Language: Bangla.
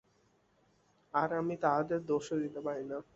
আর আমি তাহাদের দোষও দিতে পারি না।